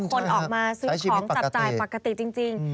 คนออกมาซื้อของจับจ่ายปกติจริง